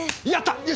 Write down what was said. よし！